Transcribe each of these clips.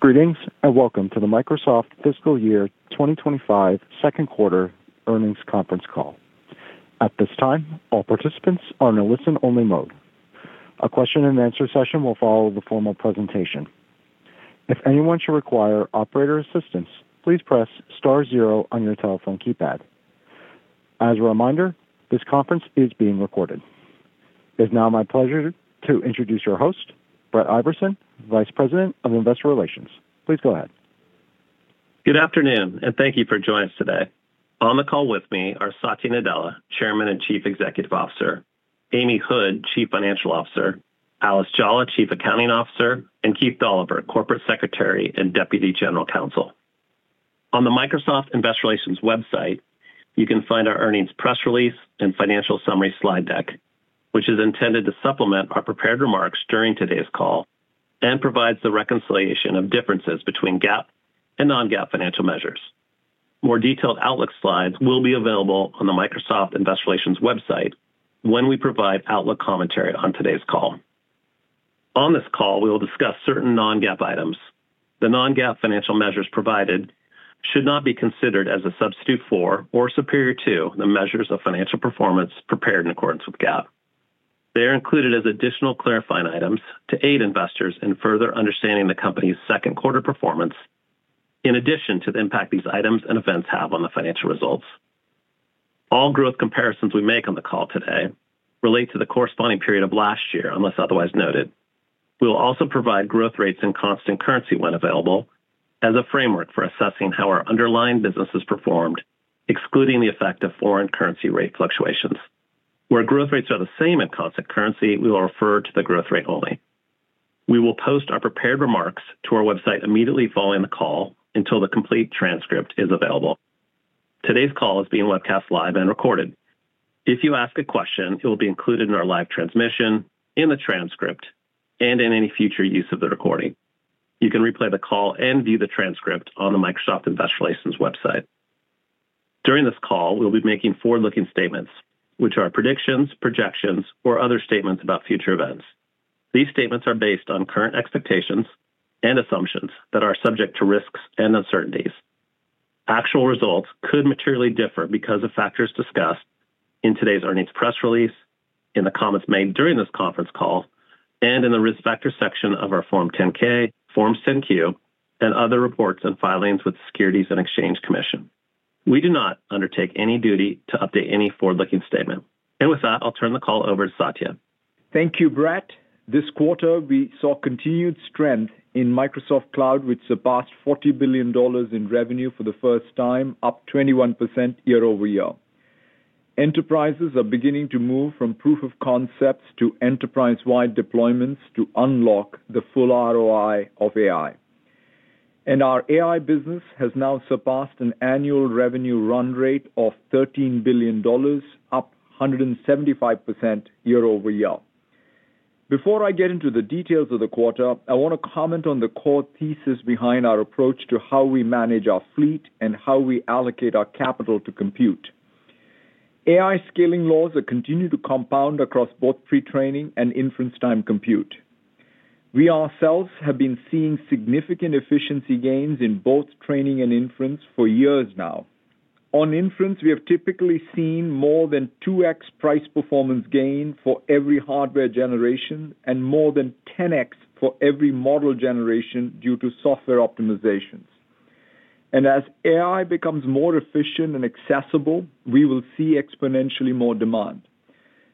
Greetings and welcome to the Microsoft Fiscal Year 2025 Q2 Earnings Conference Call. At this time, all participants are in a listen-only mode. A question-and-answer session will follow the formal presentation. If anyone should require operator assistance, please press star zero on your telephone keypad. As a reminder, this conference is being recorded. It is now my pleasure to introduce your host, Brett Iversen, Vice President of Investor Relations. Please go ahead. Good afternoon, and thank you for joining us today. On the call with me are Satya Nadella, Chairman and Chief Executive Officer, Amy Hood, Chief Financial Officer, Alice Jalla, Chief Accounting Officer, and Keith Dolliver, Corporate Secretary and Deputy General Counsel. On the Microsoft Investor Relations website, you can find our earnings press release and financial summary slide deck, which is intended to supplement our prepared remarks during today's call and provides the reconciliation of differences between GAAP and non-GAAP financial measures. More detailed outlook slides will be available on the Microsoft Investor Relations website when we provide outlook commentary on today's call. On this call, we will discuss certain non-GAAP items. The non-GAAP financial measures provided should not be considered as a substitute for or superior to the measures of financial performance prepared in accordance with GAAP. They are included as additional clarifying items to aid investors in further understanding the company's Q2 performance, in addition to the impact these items and events have on the financial results. All growth comparisons we make on the call today relate to the corresponding period of last year, unless otherwise noted. We will also provide growth rates in constant currency when available as a framework for assessing how our underlying business has performed, excluding the effect of foreign currency rate fluctuations. Where growth rates are the same in constant currency, we will refer to the growth rate only. We will post our prepared remarks to our website immediately following the call until the complete transcript is available. Today's call is being webcast live and recorded. If you ask a question, it will be included in our live transmission, in the transcript, and in any future use of the recording. You can replay the call and view the transcript on the Microsoft Investor Relations website. During this call, we'll be making forward-looking statements, which are predictions, projections, or other statements about future events. These statements are based on current expectations and assumptions that are subject to risks and uncertainties. Actual results could materially differ because of factors discussed in today's earnings press release, in the comments made during this conference call, and in the risk factor section of our Form 10-K, Forms 10-Q, and other reports and filings with the Securities and Exchange Commission. We do not undertake any duty to update any forward-looking statement. And with that, I'll turn the call over to Satya. Thank you, Brett. This quarter, we saw continued strength in Microsoft Cloud, which surpassed $40 billion in revenue for the first time, up 21% year over year. Enterprises are beginning to move from proof of concepts to enterprise-wide deployments to unlock the full ROI of AI. And our AI business has now surpassed an annual revenue run rate of $13 billion, up 175% year over year. Before I get into the details of the quarter, I want to comment on the core thesis behind our approach to how we manage our fleet and how we allocate our capital to compute. AI scaling laws continue to compound across both pre-training and inference-time compute. We ourselves have been seeing significant efficiency gains in both training and inference for years now. On inference, we have typically seen more than 2x price performance gain for every hardware generation and more than 10x for every model generation due to software optimizations. And as AI becomes more efficient and accessible, we will see exponentially more demand.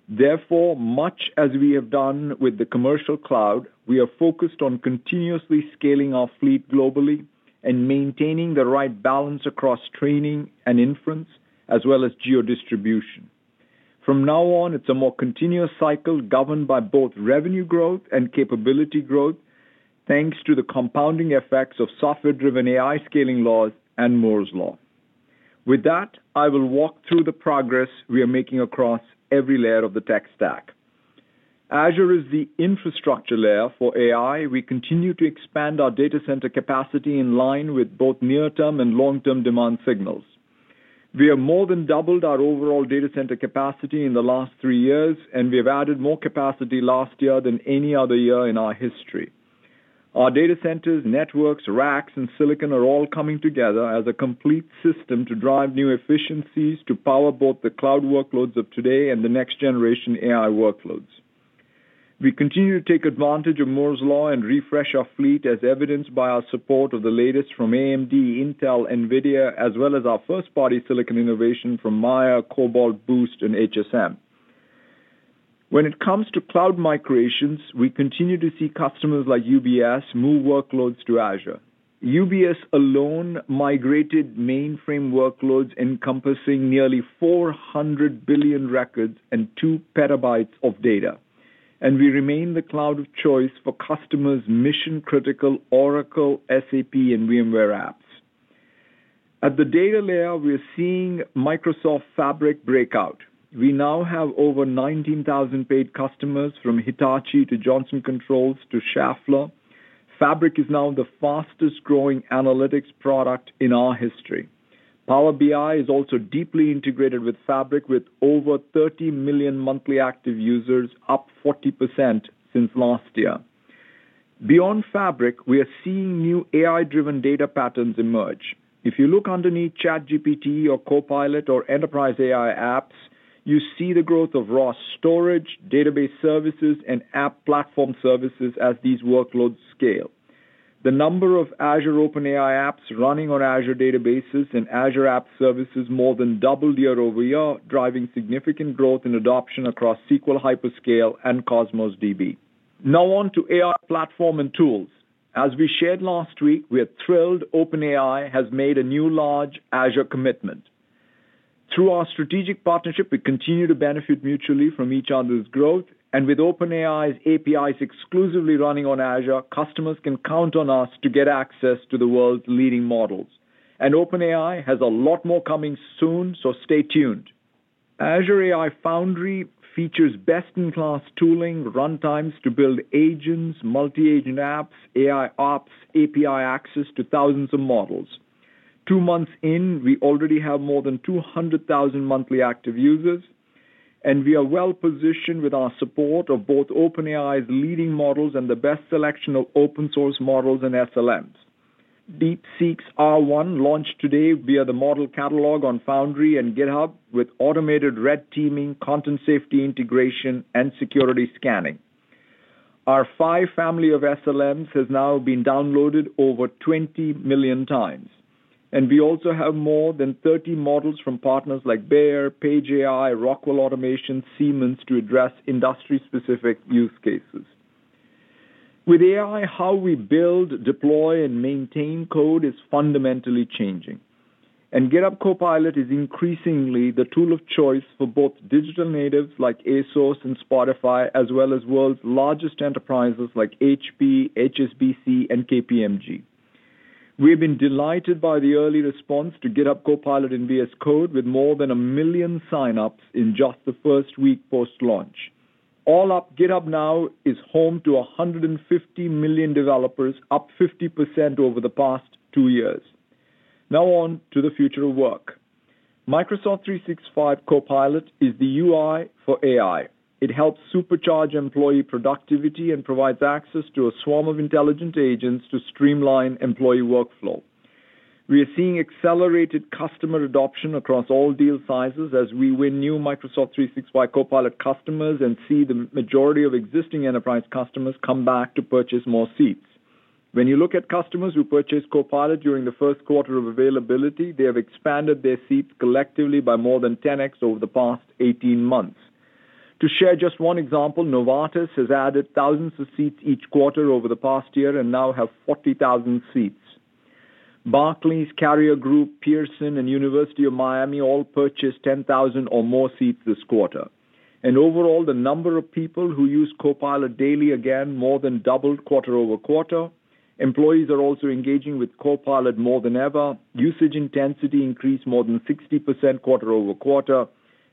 Therefore, much as we have done with the Commercial Cloud, we are focused on continuously scaling our fleet globally and maintaining the right balance across training and inference, as well as geo-distribution. From now on, it's a more continuous cycle governed by both revenue growth and capability growth, thanks to the compounding effects of software-driven AI scaling laws and Moore's Law. With that, I will walk through the progress we are making across every layer of the tech stack. Azure is the infrastructure layer for AI we continue to expand our data center capacity in line with both near-term and long-term demand signals. We have more than doubled our overall data center capacity in the last three years, and we have added more capacity last year than any other year in our history. Our data centers, networks, racks, and silicon are all coming together as a complete system to drive new efficiencies to power both the Cloud workloads of today and the next generation AI workloads. We continue to take advantage of Moore's Law and refresh our fleet, as evidenced by our support of the latest from AMD, Intel, NVIDIA, as well as our first-party silicon innovation from Maia, Cobalt, Boost, and HSM. When it comes to Cloud migrations, we continue to see customers like UBS move workloads to Azure. UBS alone migrated mainframe workloads encompassing nearly 400 billion records and two petabytes of data. And we remain the Cloud of choice for customers' mission-critical Oracle, SAP, and VMware apps. At the data layer, we are seeing Microsoft Fabric break out. We now have over 19,000 paid customers from Hitachi to Johnson Controls to Schaeffler. Fabric is now the fastest-growing analytics product in our history. Power BI is also deeply integrated with Fabric, with over 30 million monthly active users, up 40% since last year. Beyond Fabric, we are seeing new AI-driven data patterns emerge. If you look underneath ChatGPT or Copilot or enterprise AI apps. You see the growth of raw storage, database services, and app platform services as these workloads scale. The number of Azure OpenAI apps running on Azure databases and Azure app services more than doubled year over year, driving significant growth in adoption across SQL Hyperscale and Cosmos DB. Now on to AI platform and tools. As we shared last week, we are thrilled OpenAI has made a new large Azure commitment. Through our strategic partnership, we continue to benefit mutually from each other's growth. With OpenAI's APIs exclusively running on Azure, customers can count on us to get access to the world's leading models. OpenAI has a lot more coming soon, so stay tuned. Azure AI Foundry features best-in-class tooling, runtimes to build agents, multi-agent apps, AI ops, API access to thousands of models. Two months in, we already have more than 200,000 monthly active users. We are well-positioned with our support of both OpenAI's leading models and the best selection of open-source models and SLMs. DeepSeek-R1 launched today via the model catalog on Foundry and GitHub with automated red teaming, content safety integration, and security scanning. Our Phi family of SLMs has now been downloaded over 20 million times. And we also have more than 30 models from partners like Bayer, Paige, Rockwell Automation, and Siemens to address industry-specific use cases. With AI, how we build, deploy, and maintain code is fundamentally changing. And GitHub Copilot is increasingly the tool of choice for both digital natives like ASOS and Spotify, as well as the world's largest enterprises like HP, HSBC, and KPMG. We have been delighted by the early response to GitHub Copilot in VS Code with more than a million sign-ups in just the first week post-launch. All up, GitHub now is home to 150 million developers, up 50% over the past two years. Now on to the future of work. Microsoft 365 Copilot is the UI for AI. It helps supercharge employee productivity and provides access to a swarm of intelligent agents to streamline employee workflow. We are seeing accelerated customer adoption across all deal sizes as we win new Microsoft 365 Copilot customers and see the majority of existing enterprise customers come back to purchase more seats. When you look at customers who purchased Copilot during the Q1 of availability, they have expanded their seats collectively by more than 10x over the past 18 months. To share just one example, Novartis has added thousands of seats each quarter over the past year and now have 40,000 seats. Barclays, Carrier Group, Pearson, and University of Miami all purchased 10,000 or more seats this quarter. And overall, the number of people who use Copilot daily again more than doubled quarter over quarter. Employees are also engaging with Copilot more than ever. Usage intensity increased more than 60% quarter over quarter,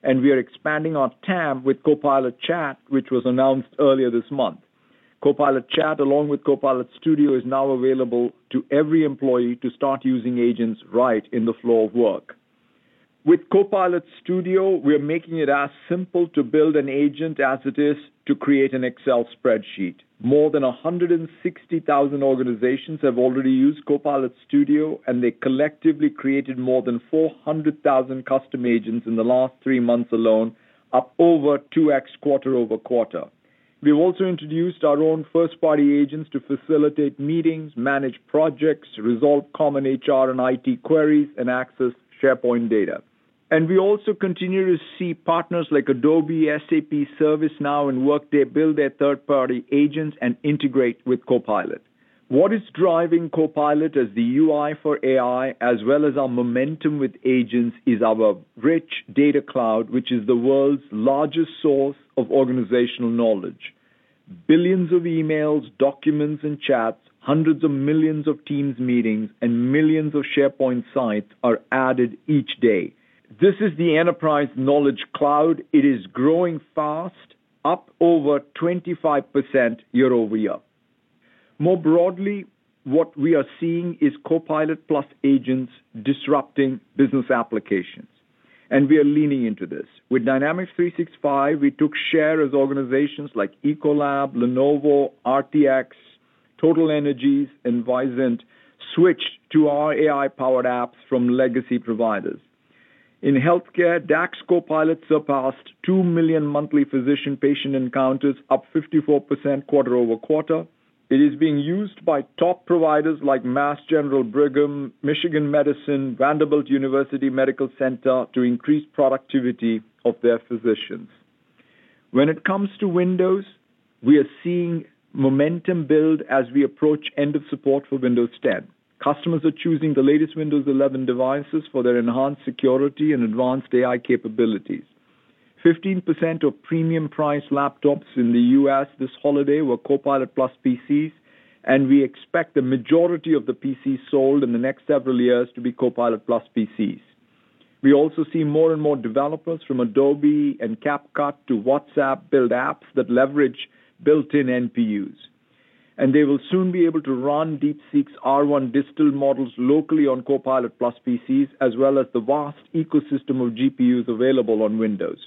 and we are expanding our TAM with Copilot Chat, which was announced earlier this month. Copilot Chat, along with Copilot Studio, is now available to every employee to start using agents right in the flow of work. With Copilot Studio, we are making it as simple to build an agent as it is to create an Excel spreadsheet, More than 160,000 organizations have already used Copilot Studio, and they collectively created more than 400,000 custom agents in the last three months alone, up over 2x quarter over quarter. We have also introduced our own first-party agents to facilitate meetings, manage projects, resolve common HR and IT queries, and access SharePoint data. We also continue to see partners like Adobe, SAP, ServiceNow, and Workday build their third-party agents and integrate with Copilot. What is driving Copilot as the UI for AI, as well as our momentum with agents, is our rich data Cloud, which is the world's largest source of organizational knowledge. Billions of emails, documents, and chats, hundreds of millions of Teams meetings, and millions of SharePoint sites are added each day. This is the enterprise knowledge Cloud. It is growing fast, up over 25% year over year. More broadly, what we are seeing is Copilot plus agents disrupting business applications, and we are leaning into this. With Dynamics 365, we took share as organizations like Ecolab, Lenovo, RTX, TotalEnergies, and Vaisala switched to our AI-powered apps from legacy providers. In healthcare, DAX Copilot surpassed 2 million monthly physician-patient encounters, up 54% quarter over quarter. It is being used by top providers like Mass General Brigham, Michigan Medicine, Vanderbilt University Medical Center to increase productivity of their physicians. When it comes to Windows, we are seeing momentum build as we approach end of support for Windows 10. Customers are choosing the latest Windows 11 devices for their enhanced security and advanced AI capabilities. 15% of premium-priced laptops in the U.S. this holiday were Copilot+ PCs. And we expect the majority of the PCs sold in the next several years to be Copilot+ PCs. We also see more and more developers from Adobe and CapCut to WhatsApp build apps that leverage built-in NPUs. And they will soon be able to run DeepSeek's R1 Distill models locally on Copilot+ PCs, as well as the vast ecosystem of GPUs available on Windows.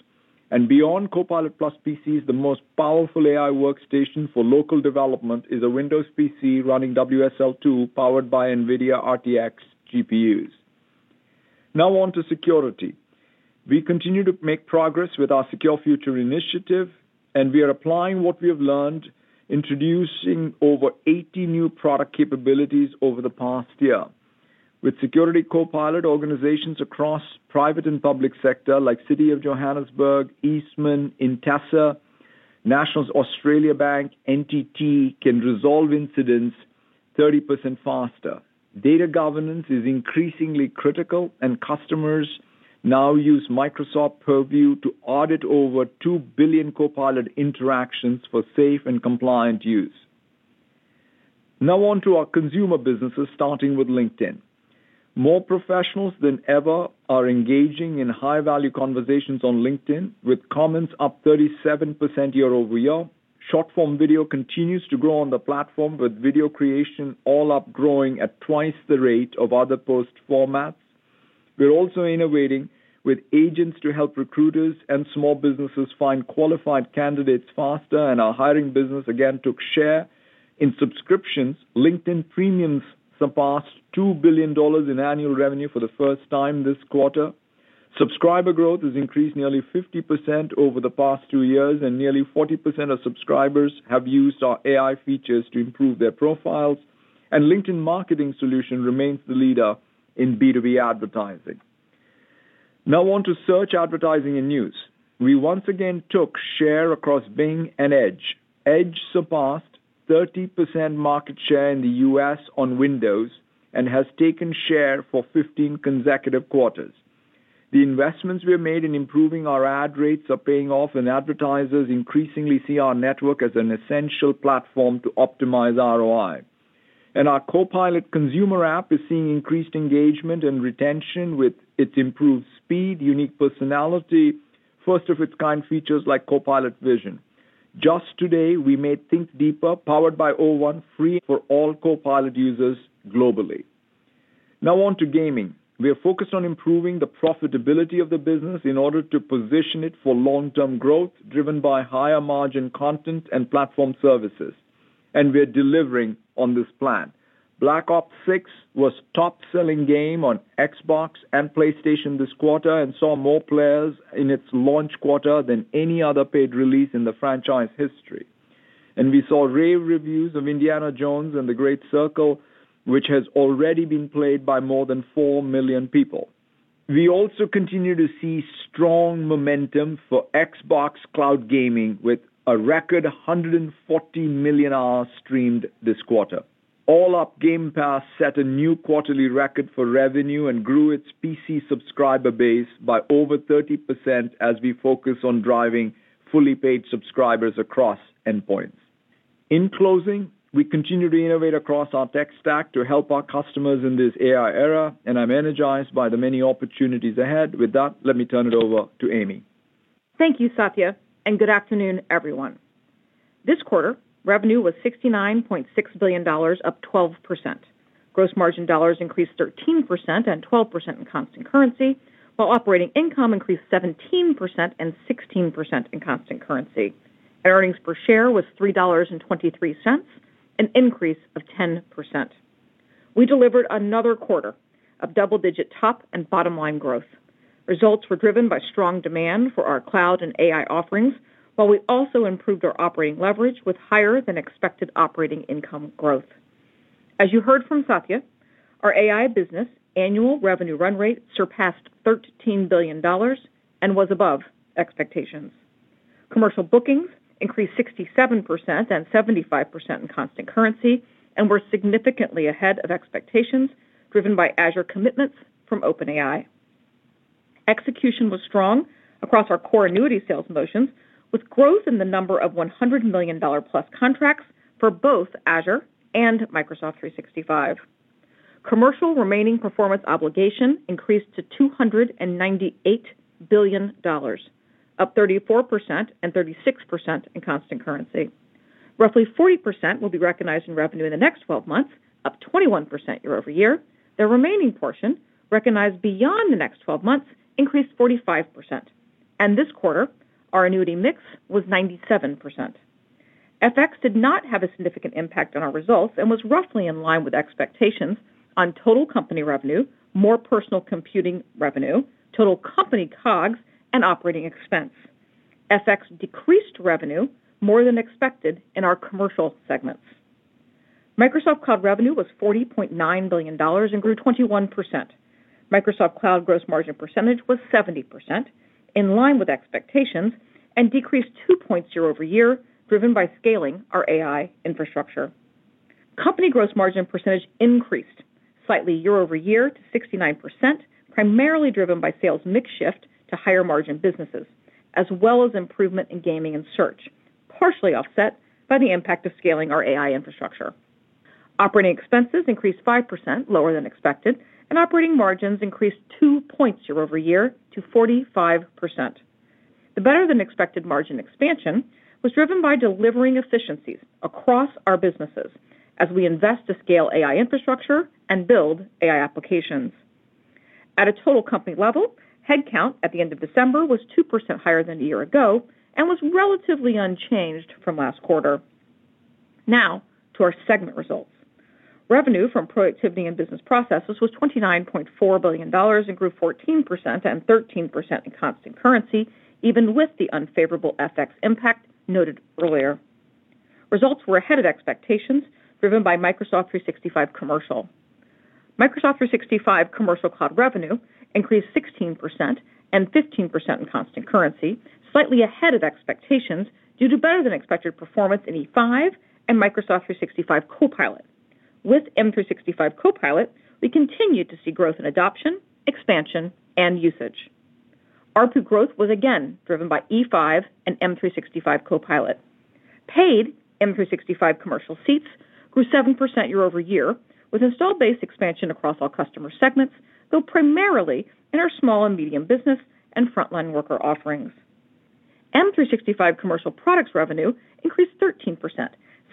And beyond Copilot+ PCs, the most powerful AI workstation for local development is a Windows PC running WSL2 powered by NVIDIA RTX GPUs. Now on to security. We continue to make progress with our Secure Future Initiative, and we are applying what we have learned, introducing over 80 new product capabilities over the past year. With Security Copilot, organizations across private and public sector, like City of Johannesburg, Eastman, Intesa, National Australia Bank, NTT, can resolve incidents 30% faster. Data governance is increasingly critical, and customers now use Microsoft Purview to audit over two billion Copilot interactions for safe and compliant use. Now on to our consumer businesses, starting with LinkedIn. More professionals than ever are engaging in high-value conversations on LinkedIn, with comments up 37% year over year. Short-form video continues to grow on the platform, with video creation all up, growing at twice the rate of other post formats. We're also innovating with agents to help recruiters and small businesses find qualified candidates faster, and our hiring business again took share in subscriptions LinkedIn Premium surpassed $2 billion in annual revenue for the first time this quarter. Subscriber growth has increased nearly 50% over the past two years, and nearly 40% of subscribers have used our AI features to improve their profiles, and LinkedIn Marketing Solution remains the leader in B2B advertising. Now on to search advertising and news. We once again took share across Bing and Edge. Edge surpassed 30% market share in the US on Windows and has taken share for 15 consecutive quarters. The investments we have made in improving our ad rates are paying off, and advertisers increasingly see our network as an essential platform to optimize ROI, and our Copilot consumer app is seeing increased engagement and retention with its improved speed, unique personality, first-of-its-kind features like Copilot Vision. Just today, we made Think Deeper, powered by o1, free for all Copilot users globally. Now on to gaming. We are focused on improving the profitability of the business in order to position it for long-term growth driven by higher margin content and platform services. And we are delivering on this plan. Black Ops 6 was a top-selling game on Xbox and PlayStation this quarter and saw more players in its launch quarter than any other paid release in the franchise history. And we saw rave reviews of Indiana Jones and the Great Circle, which has already been played by more than 4 million people. We also continue to see strong momentum for Xbox Cloud Gaming, with a record 140 million hours streamed this quarter. All up, Game Pass set a new quarterly record for revenue and grew its PC subscriber base by over 30% as we focus on driving fully paid subscribers across endpoints. In closing, we continue to innovate across our tech stack to help our customers in this AI era. And I'm energized by the many opportunities ahead with that, let me turn it over to Amy. Thank you, Satya. And good afternoon, everyone. This quarter, revenue was $69.6 billion, up 12%. Gross margin dollars increased 13% and 12% in constant currency, while operating income increased 17% and 16% in constant currency. And earnings per share was $3.23, an increase of 10%. We delivered another quarter of double-digit top and bottom-line growth. Results were driven by strong demand for our Cloud and AI offerings, while we also improved our operating leverage with higher-than-expected operating income growth. As you heard from Satya, our AI business annual revenue run rate surpassed $13 billion and was above expectations. Commercial bookings increased 67% and 75% in constant currency and were significantly ahead of expectations driven by Azure commitments from OpenAI. Execution was strong across our core annuity sales motions, with growth in the number of $100 million-plus contracts for both Azure and Microsoft 365. Commercial remaining performance obligation increased to $298 billion, up 34% and 36% in constant currency. Roughly 40% will be recognized in revenue in the next 12 months, up 21% year over year. The remaining portion recognized beyond the next 12 months increased 45% and this quarter, our annuity mix was 97%. FX did not have a significant impact on our results and was roughly in line with expectations on total company revenue, More Personal Computing revenue, total company COGS, and operating expense. FX decreased revenue more than expected in our commercial segments. Microsoft Cloud revenue was $40.9 billion and grew 21%. Microsoft Cloud gross margin percentage was 70%, in line with expectations, and decreased 2 points over year, driven by scaling our AI infrastructure. Company gross margin percentage increased slightly year over year to 69%, primarily driven by sales mix shift to higher margin businesses, as well as improvement in gaming and search, partially offset by the impact of scaling our AI infrastructure. Operating expenses increased 5%, lower than expected, and operating margins increased 2 points year over year to 45%. The better-than-expected margin expansion was driven by delivering efficiencies across our businesses as we invest to scale AI infrastructure and build AI applications. At a total company level, headcount at the end of December was 2% higher than a year ago and was relatively unchanged from last quarter. Now to our segment results. Revenue from Productivity and Business Processes was $29.4 billion and grew 14% and 13% in constant currency, even with the unfavorable FX impact noted earlier. Results were ahead of expectations, driven by Microsoft 365 Commercial. Microsoft 365 Commercial Cloud revenue increased 16% and 15% in constant currency, slightly ahead of expectations due to better-than-expected performance in E5 and Microsoft 365 Copilot. With M365 Copilot, we continued to see growth in adoption, expansion, and usage. Our growth was again driven by E5 and M365 Copilot. Paid M365 Commercial seats grew 7% year over year, with installed base expansion across all customer segments, though primarily in our small and medium business and frontline worker offerings. M365 Commercial products revenue increased 13%,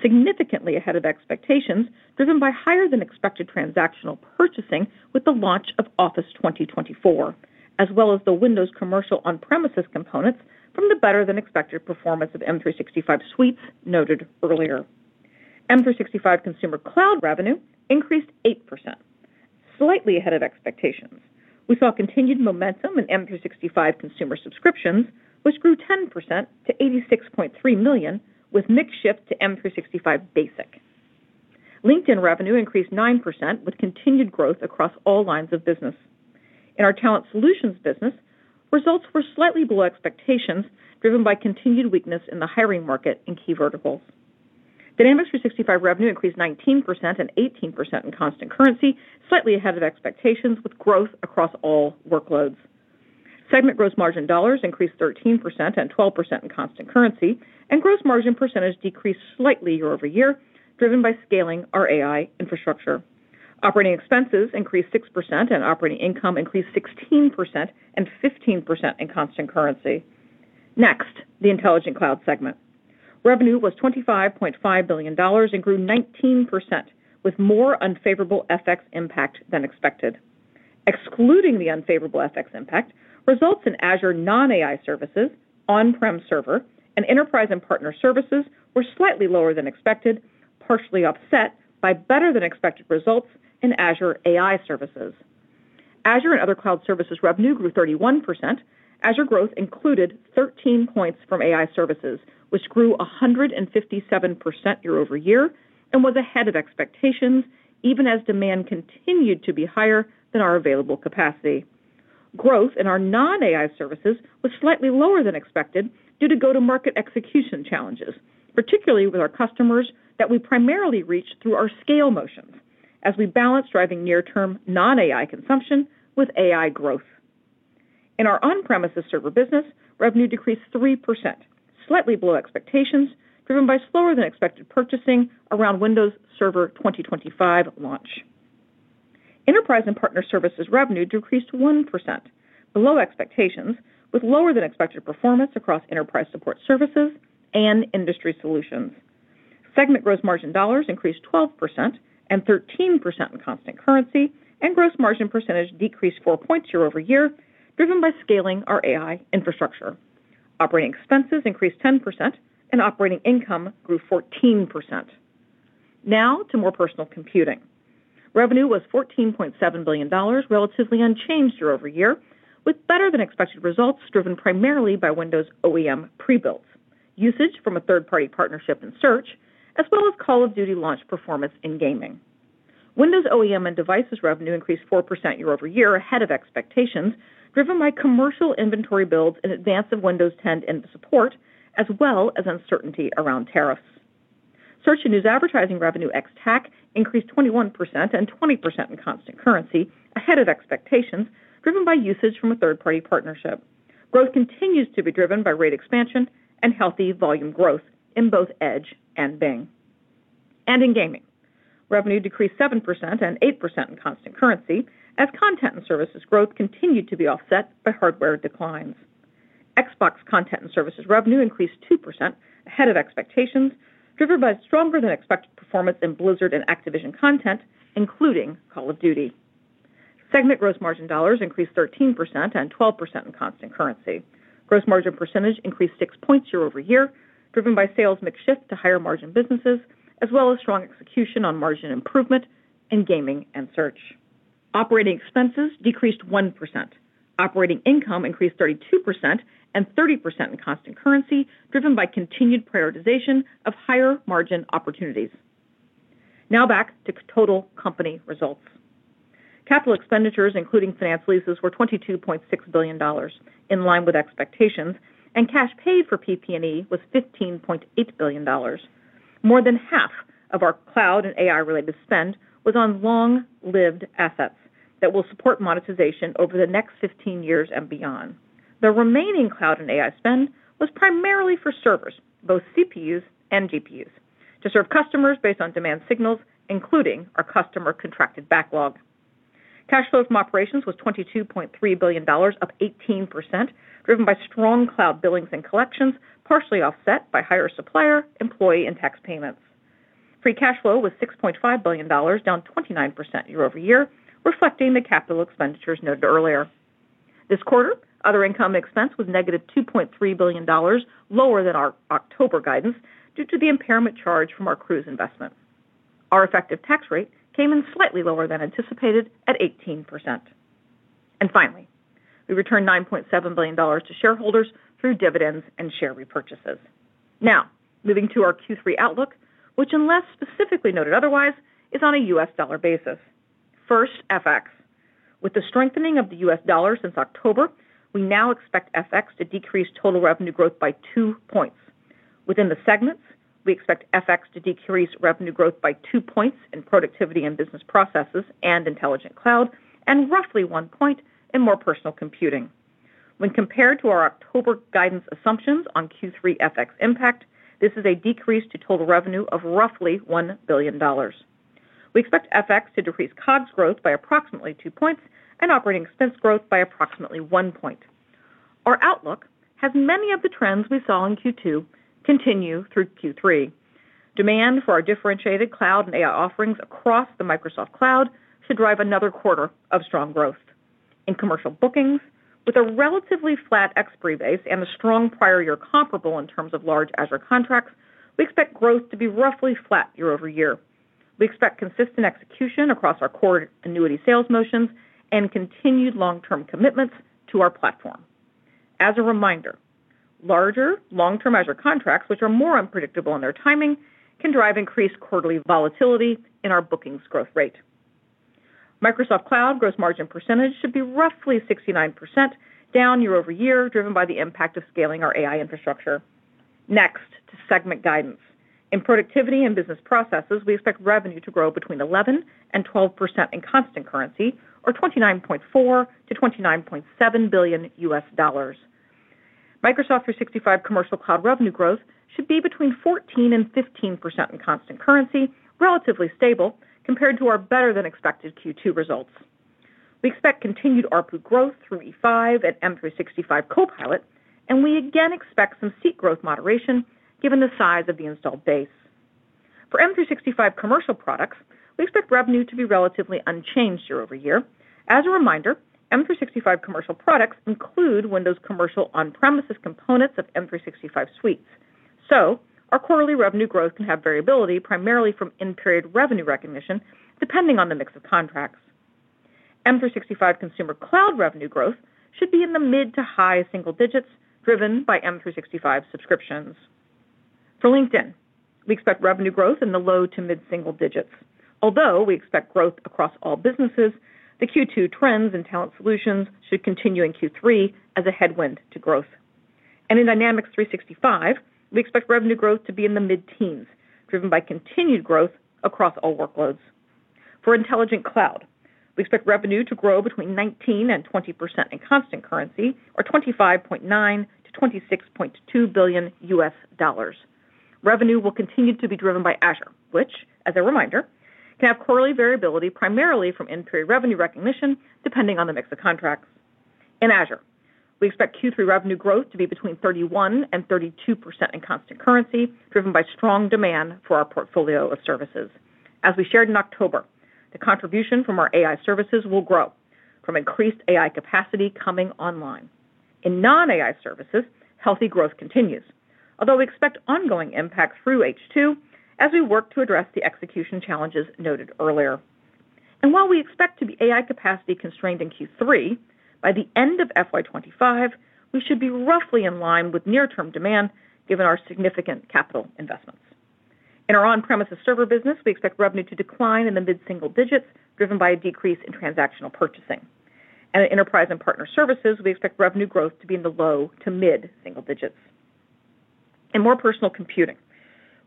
significantly ahead of expectations, driven by higher-than-expected transactional purchasing with the launch of Office 2024, as well as the Windows Commercial on-premises components from the better-than-expected performance of M365 Suite noted earlier. M365 Consumer Cloud revenue increased 8%, slightly ahead of expectations. We saw continued momentum in M365 Consumer subscriptions, which grew 10% to 86.3 million, with mix shift to M365 Basic. LinkedIn revenue increased 9%, with continued growth across all lines of business. In our Talent Solutions business, results were slightly below expectations, driven by continued weakness in the hiring market in key verticals. Dynamics 365 revenue increased 19% and 18% in constant currency, slightly ahead of expectations, with growth across all workloads. Segment gross margin dollars increased 13% and 12% in constant currency, and gross margin percentage decreased slightly year over year, driven by scaling our AI infrastructure. Operating expenses increased 6%, and operating income increased 16% and 15% in constant currency. Next, the Intelligent Cloud segment. Revenue was $25.5 billion and grew 19%, with more unfavorable FX impact than expected. Excluding the unfavorable FX impact, results in Azure non-AI services, on-prem server, and enterprise and partner services were slightly lower than expected, partially offset by better-than-expected results in Azure AI services. Azure and other Cloud services revenue grew 31%. Azure growth included 13 points from AI services, which grew 157% year over year and was ahead of expectations, even as demand continued to be higher than our available capacity. Growth in our non-AI services was slightly lower than expected due to go-to-market execution challenges, particularly with our customers that we primarily reached through our scale motions, as we balanced driving near-term non-AI consumption with AI growth. In our on-premises server business, revenue decreased 3%, slightly below expectations, driven by slower-than-expected purchasing around Windows Server 2025 launch. Enterprise and partner services revenue decreased 1%, below expectations, with lower-than-expected performance across enterprise support services and industry solutions. Segment gross margin dollars increased 12% and 13% in constant currency, and gross margin percentage decreased 4 points year over year, driven by scaling our AI infrastructure. Operating expenses increased 10%, and operating income grew 14%. Now to more personal computing. Revenue was $14.7 billion, relatively unchanged year over year, with better-than-expected results driven primarily by Windows OEM pre-builds, usage from a third-party partnership in search, as well as Call of Duty launch performance in gaming. Windows OEM and devices revenue increased 4% year over year, ahead of expectations, driven by commercial inventory builds in advance of Windows 10 and support, as well as uncertainty around tariffs. Search and news advertising revenue ex-TAC increased 21% and 20% in constant currency, ahead of expectations, driven by usage from a third-party partnership. Growth continues to be driven by rate expansion and healthy volume growth in both Edge and Bing. In gaming, revenue decreased 7% and 8% in constant currency, as content and services growth continued to be offset by hardware declines. Xbox content and services revenue increased 2%, ahead of expectations, driven by stronger-than-expected performance in Blizzard and Activision content, including Call of Duty. Segment gross margin dollars increased 13% and 12% in constant currency. Gross margin percentage increased 6 points year over year, driven by sales mix shift to higher margin businesses, as well as strong execution on margin improvement in gaming and search. Operating expenses decreased 1%. Operating income increased 32% and 30% in constant currency, driven by continued prioritization of higher margin opportunities. Now back to total company results. Capital expenditures, including finance leases, were $22.6 billion, in line with expectations, and cash paid for PP&E was $15.8 billion. More than half of our Cloud and AI-related spend was on long-lived assets that will support monetization over the next 15 years and beyond. The remaining Cloud and AI spend was primarily for servers, both CPUs and GPUs, to serve customers based on demand signals, including our customer contracted backlog. Cash flow from operations was $22.3 billion, up 18%, driven by strong Cloud billings and collections, partially offset by higher supplier, employee, and tax payments. Free cash flow was $6.5 billion, down 29% year over year, reflecting the capital expenditures noted earlier. This quarter, other income and expense was negative $2.3 billion, lower than our October guidance due to the impairment charge from our cruise investment. Our effective tax rate came in slightly lower than anticipated at 18%. And finally, we returned $9.7 billion to shareholders through dividends and share repurchases. Now, moving to our Q3 outlook, which, unless specifically noted otherwise, is on a U.S. dollar basis. First, FX. With the strengthening of the U.S. dollar since October, we now expect FX to decrease total revenue growth by 2 points. Within the segments, we expect FX to decrease revenue growth by 2 points in productivity and business processes and intelligent Cloud, and roughly 1 point in more personal computing. When compared to our October guidance assumptions on Q3 FX impact, this is a decrease to total revenue of roughly $1 billion. We expect FX to decrease COGS growth by approximately 2 points and operating expense growth by approximately 1 point. Our outlook has many of the trends we saw in Q2 continue through Q3. Demand for our differentiated Cloud and AI offerings across the Microsoft Cloud should drive another quarter of strong growth. In commercial bookings, with a relatively flat expiry base and a strong prior-year comparable in terms of large Azure contracts, we expect growth to be roughly flat year over year. We expect consistent execution across our core annuity sales motions and continued long-term commitments to our platform. As a reminder, larger long-term Azure contracts, which are more unpredictable in their timing, can drive increased quarterly volatility in our bookings growth rate. Microsoft Cloud gross margin percentage should be roughly 69%, down year over year, driven by the impact of scaling our AI infrastructure. Next, to segment guidance. In productivity and business processes, we expect revenue to grow between 11%-12% in constant currency, or $29.4-$29.7 billion USD. Microsoft 365 Commercial Cloud revenue growth should be between 14%-15% in constant currency, relatively stable compared to our better-than-expected Q2 results. We expect continued ARPU growth through E5 and M365 Copilot, and we again expect some seat growth moderation given the size of the installed base. For M365 Commercial products, we expect revenue to be relatively unchanged year over year. As a reminder, M365 Commercial products include Windows Commercial on-premises components of M365 Suites. So our quarterly revenue growth can have variability primarily from in-period revenue recognition, depending on the mix of contracts. M365 Consumer Cloud revenue growth should be in the mid to high single digits, driven by M365 subscriptions. For LinkedIn, we expect revenue growth in the low to mid single digits. Although we expect growth across all businesses, the Q2 trends in Talent Solutions should continue in Q3 as a headwind to growth. And in Dynamics 365, we expect revenue growth to be in the mid-teens, driven by continued growth across all workloads. For Intelligent Cloud, we expect revenue to grow between 19% and 20% in constant currency, or $25.9-$26.2 billion US dollars. Revenue will continue to be driven by Azure, which, as a reminder, can have quarterly variability primarily from in-period revenue recognition, depending on the mix of contracts. In Azure, we expect Q3 revenue growth to be between 31% and 32% in constant currency, driven by strong demand for our portfolio of services. As we shared in October, the contribution from our AI services will grow from increased AI capacity coming online. In non-AI services, healthy growth continues, although we expect ongoing impact through H2 as we work to address the execution challenges noted earlier, and while we expect to be AI capacity constrained in Q3, by the end of FY25, we should be roughly in line with near-term demand, given our significant capital investments. In our on-premises server business, we expect revenue to decline in the mid single digits, driven by a decrease in transactional purchasing. And in enterprise and partner services, we expect revenue growth to be in the low to mid single digits. In More Personal Computing,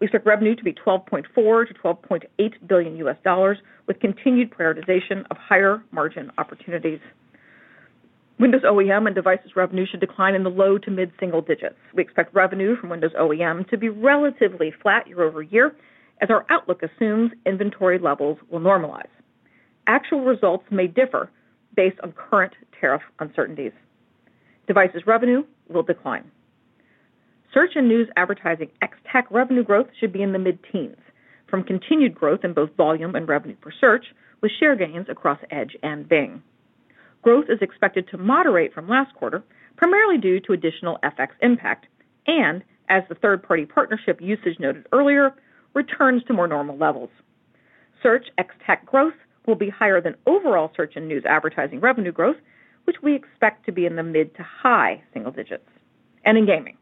we expect revenue to be $12.4-$12.8 billion US dollars, with continued prioritization of higher margin opportunities. Windows OEM and devices revenue should decline in the low to mid single digits. We expect revenue from Windows OEM to be relatively flat year over year, as our outlook assumes inventory levels will normalize. Actual results may differ based on current tariff uncertainties. Devices revenue will decline. Search and news advertising ex-TAC revenue growth should be in the mid-teens, from continued growth in both volume and revenue per search, with share gains across Edge and Bing. Growth is expected to moderate from last quarter, primarily due to additional FX impact, and as the third-party partnership usage noted earlier returns to more normal levels. Search ex-TAC growth will be higher than overall search and news advertising revenue growth, which we expect to be in the mid to high single digits. In gaming,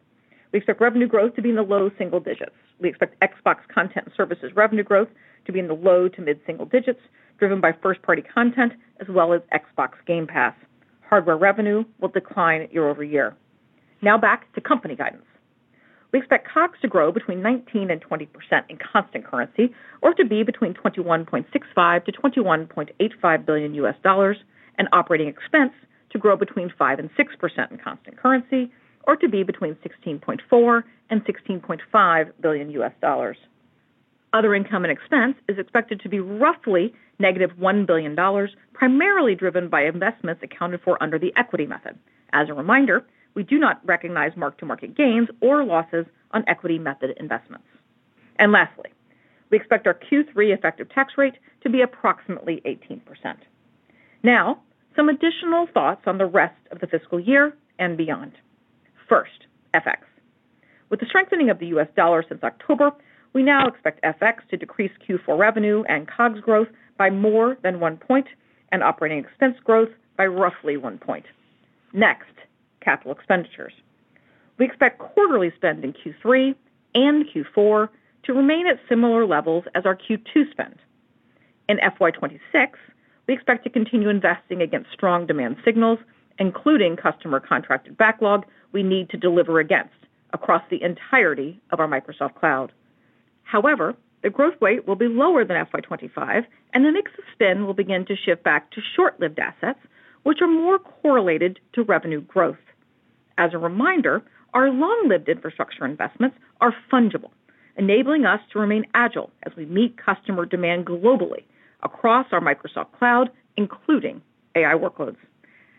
we expect revenue growth to be in the low single digits. We expect Xbox content and services revenue growth to be in the low to mid single digits, driven by first-party content, as well as Xbox Game Pass. Hardware revenue will decline year over year. Now back to company guidance. We expect COGS to grow between 19% and 20% in constant currency, or to be between $21.65-$21.85 billion, and operating expense to grow between 5% and 6% in constant currency, or to be between $16.4-$16.5 billion. Other income and expense is expected to be roughly negative $1 billion, primarily driven by investments accounted for under the equity method. As a reminder, we do not recognize mark-to-market gains or losses on equity method investments. And lastly, we expect our Q3 effective tax rate to be approximately 18%. Now, some additional thoughts on the rest of the fiscal year and beyond. First, FX. With the strengthening of the U.S. dollar since October, we now expect FX to decrease Q4 revenue and COGS growth by more than one point and operating expense growth by roughly one point. Next, capital expenditures. We expect quarterly spend in Q3 and Q4 to remain at similar levels as our Q2 spend. In FY26, we expect to continue investing against strong demand signals, including customer contracted backlog we need to deliver against across the entirety of our Microsoft Cloud. However, the growth rate will be lower than FY25, and the mix of spend will begin to shift back to short-lived assets, which are more correlated to revenue growth. As a reminder, our long-lived infrastructure investments are fungible, enabling us to remain agile as we meet customer demand globally across our Microsoft Cloud, including AI workloads.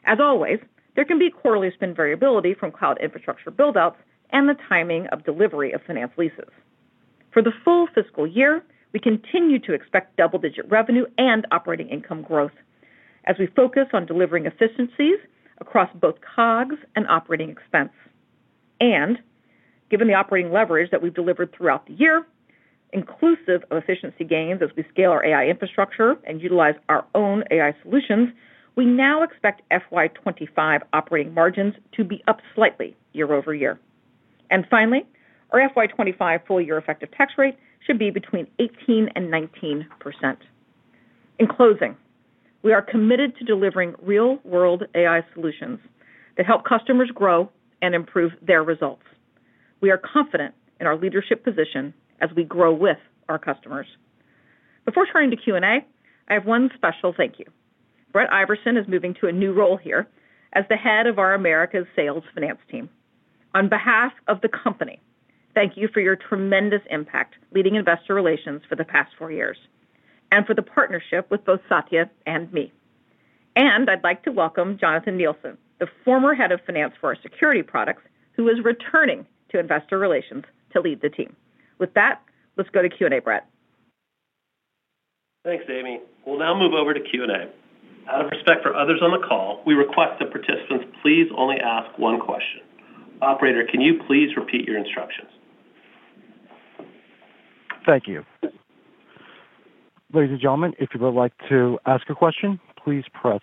As always, there can be quarterly spend variability from Cloud infrastructure build-outs and the timing of delivery of finance leases. For the full fiscal year, we continue to expect double-digit revenue and operating income growth as we focus on delivering efficiencies across both COGS and operating expense. And given the operating leverage that we've delivered throughout the year, inclusive of efficiency gains as we scale our AI infrastructure and utilize our own AI solutions, we now expect FY25 operating margins to be up slightly year over year. And finally, our FY25 full-year effective tax rate should be between 18%-19%. In closing, we are committed to delivering real-world AI solutions that help customers grow and improve their results. We are confident in our leadership position as we grow with our customers. Before turning to Q&A, I have one special thank you. Brett Iverson is moving to a new role here as the head of our Americas Sales Finance Team. On behalf of the company, thank you for your tremendous impact leading investor relations for the past four years and for the partnership with both Satya and me. And I'd like to welcome Jonathan Nielsen, the former head of finance for our security products, who is returning to investor relations to lead the team with that, let's go to Q&A, Brett. Thanks, Amy. We'll now move over to Q&A. Out of respect for others on the call, we request that participants please only ask one question. Operator, can you please repeat your instructions? Thank you. Ladies and gentlemen, if you would like to ask a question, please press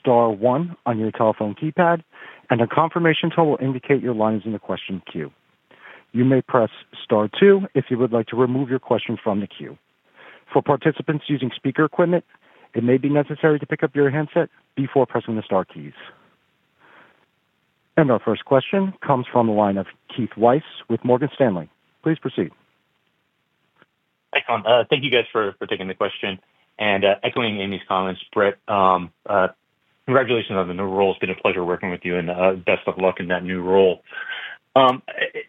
Star 1 on your telephone keypad, and a confirmation tool will indicate your line's in the question queue. You may press Star 2 if you would like to remove your question from the queue. For participants using speaker equipment, it may be necessary to pick up your handset before pressing the Star keys. Our first question comes from the line of Keith Weiss with Morgan Stanley. Please proceed Excellent thank you, guys, for taking the question. Echoing Amy's comments, Brett, congratulations on the new role. It's been a pleasure working with you, and best of luck in that new role.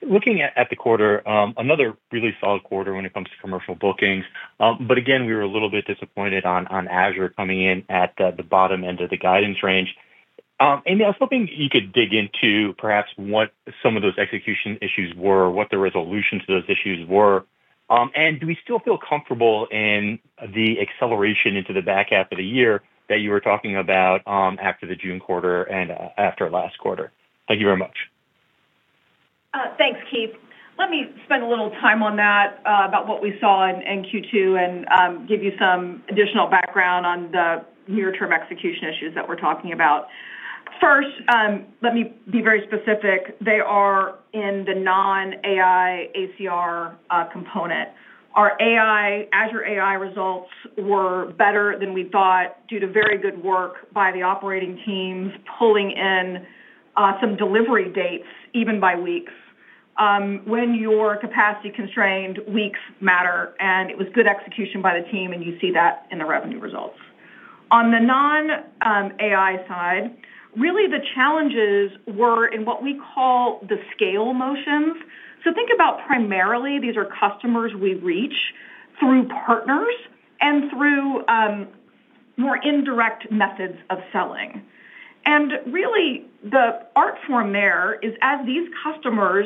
Looking at the quarter, another really solid quarter when it comes to commercial bookings. But again, we were a little bit disappointed on Azure coming in at the bottom end of the guidance range. Amy, I was hoping you could dig into perhaps what some of those execution issues were, what the resolutions to those issues were, and do we still feel comfortable in the acceleration into the back half of the year that you were talking about after the June quarter and after last quarter? Thank you very much. Thanks, Keith. Let me spend a little time on that, about what we saw in Q2, and give you some additional background on the near-term execution issues that we're talking about. First, let me be very specific they are in the non-AI ACR component. Our Azure AI results were better than we thought due to very good work by the operating teams pulling in some delivery dates, even by weeks. When you're capacity constrained, weeks matter, and it was good execution by the team, and you see that in the revenue results. On the non-AI side, really the challenges were in what we call the sales motions. So think about primarily, these are customers we reach through partners and through more indirect methods of selling. And really, the art form there is as these customers,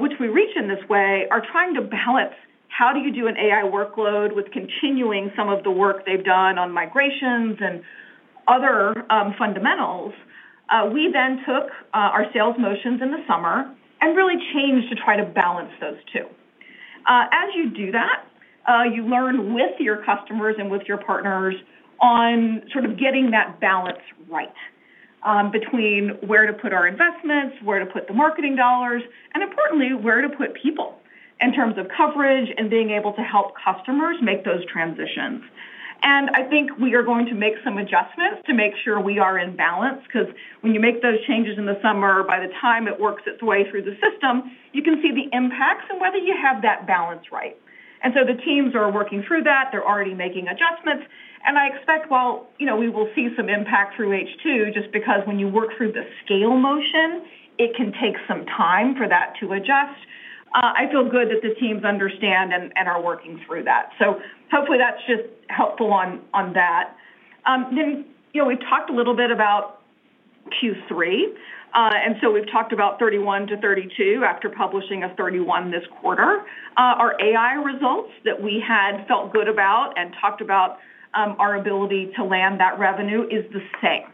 which we reach in this way, are trying to balance how do you do an AI workload with continuing some of the work they've done on migrations and other fundamentals. We then took our sales motions in the summer and really changed to try to balance those two. As you do that, you learn with your customers and with your partners on sort of getting that balance right between where to put our investments, where to put the marketing dollars, and importantly, where to put people in terms of coverage and being able to help customers make those transitions. And I think we are going to make some adjustments to make sure we are in balance because when you make those changes in the summer, by the time it works its way through the system, you can see the impacts and whether you have that balance right. And so the teams are working through that they're already making adjustments. And I expect, well, we will see some impact through H2 just because when you work through the scale motion, it can take some time for that to adjust. I feel good that the teams understand and are working through that, so hopefully that's just helpful on that, then we've talked a little bit about Q3, and so we've talked about 31%-32% after publishing a 31% this quarter. Our AI results that we had felt good about and talked about our ability to land that revenue is the same,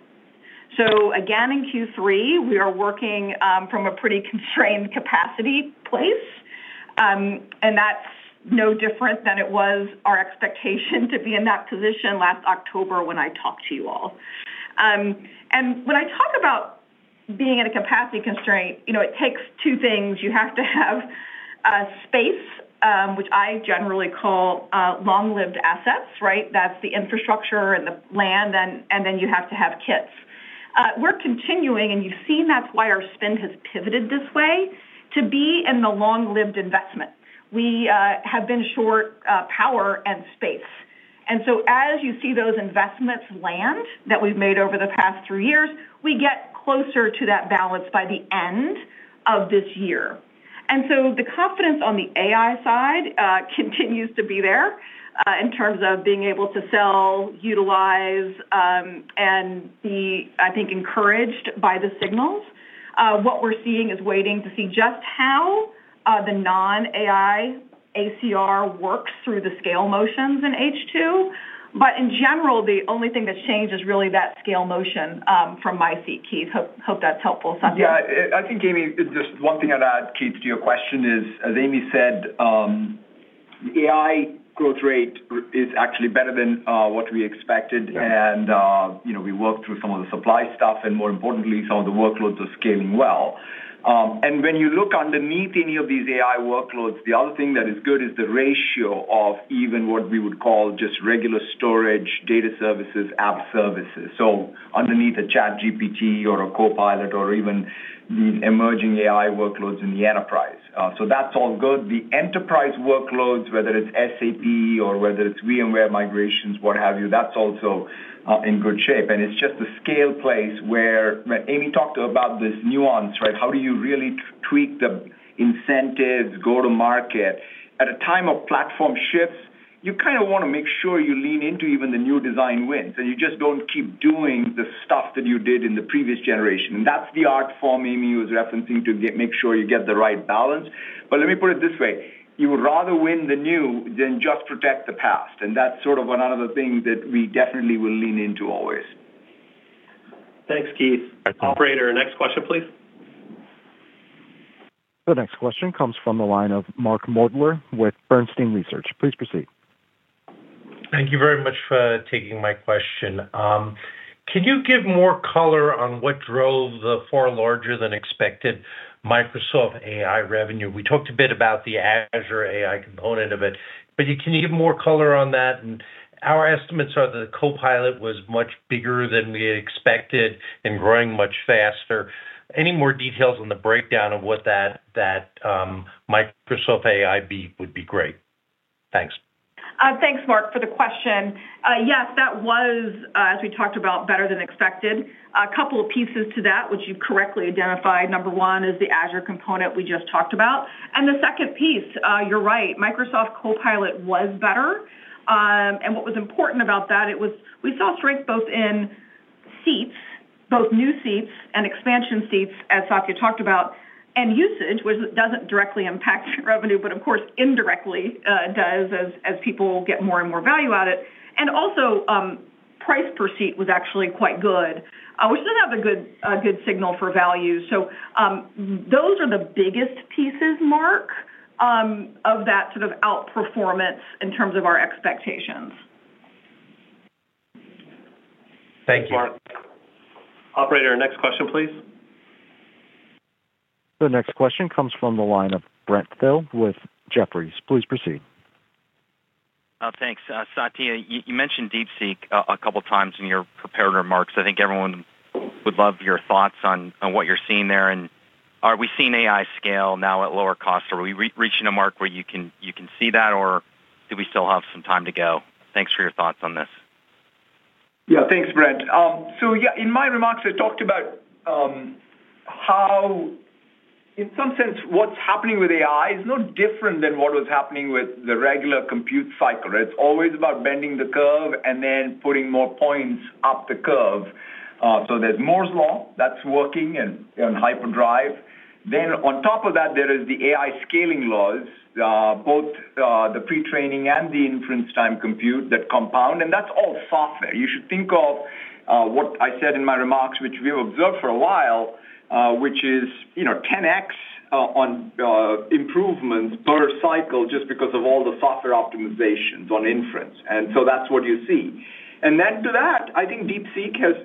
so again, in Q3, we are working from a pretty constrained capacity place, and that's no different than it was our expectation to be in that position last October when I talked to you all, and when I talk about being in a capacity constraint, it takes two things, You have to have space, which I generally call long-lived assets, right? That's the infrastructure and the land, and then you have to have kits. We're continuing, and you've seen that's why our spend has pivoted this way, to be in the long-lived investment. We have been short power and space. And so as you see those investments land that we've made over the past three years, we get closer to that balance by the end of this year. And so the confidence on the AI side continues to be there in terms of being able to sell, utilize, and be, I think, encouraged by the signals. What we're seeing is waiting to see just how? the non-AI ACR works through the scale motions in H2. But in general, the only thing that's changed is really that scale motion from my seat Keith, hope that's helpful, Satya. Yeah i think, Amy, just one thing I'd add, Keith, to your question is, as Amy said, the AI growth rate is actually better than what we expected, and we worked through some of the supply stuff, and more importantly, some of the workloads are scaling well. And when you look underneath any of these AI workloads, the other thing that is good is the ratio of even what we would call just regular storage, data services, app services so, underneath a ChatGPT or a Copilot or even the emerging AI workloads in the enterprise. So that's all good the enterprise workloads, whether it's SAP or whether it's VMware migrations, what have you, that's also in good shape and it's just the sales pace where Amy talked about this nuance, right? How do you really tweak the incentives, go-to-market? At a time of platform shifts, you kind of want to make sure you lean into even the new design wins, and you just don't keep doing the stuff that you did in the previous generation that's the art form Amy was referencing to make sure you get the right balance. Let me put it this way. You would rather win the new than just protect the past. That's sort of one of the things that we definitely will lean into always. Thanks, Keith. Operator, next question, please. The next question comes from the line of Mark Moerdler with Bernstein Research. Please proceed. Thank you very much for taking my question. Can you give more color on what drove the far larger-than-expected Microsoft AI revenue? We talked a bit about the Azure AI component of it, but can you give more color on that? Our estimates are that the Copilot was much bigger than we expected and growing much faster. Any more details on the breakdown of what that Microsoft AI beat would be great. Thanks. Thanks, Mark, for the question. Yes, that was, as we talked about, better than expected. A couple of pieces to that, which you've correctly identified number one is the Azure component we just talked about. And the second piece, you're right, Microsoft Copilot was better. And what was important about that, it was we saw strength both in seats, both new seats and expansion seats, as Satya talked about, and usage, which doesn't directly impact revenue, but of course, indirectly does as people get more and more value out of it. And also, price per seat was actually quite good, which doesn't have a good signal for value so, those are the biggest pieces, Mark, of that sort of outperformance in terms of our expectations. Thank you. Operator, next question, please. The next question comes from the line of Brent Thill with Jefferies. Please proceed. Thanks Satya, you mentioned DeepSeek a couple of times in your prepared remarks i think everyone would love your thoughts on what you're seeing there. And are we seeing AI scale now at lower cost? Are we reaching a mark where you can see that, or do we still have some time to go? Thanks for your thoughts on this. Yeah thanks, Brent. So yeah, in my remarks, I talked about how, in some sense, what's happening with AI is no different than what was happening with the regular compute cycle. It's always about bending the curve and then putting more points up the curve. So there's Moore's Law that's working and HyperDrive. Then on top of that, there are the AI scaling laws, both the pretraining and the inference time compute that compound and that's all software you should think of what I said in my remarks, which we've observed for a while, which is 10x improvements per cycle just because of all the software optimizations on inference and so that's what you see. And then to that, I think DeepSeek has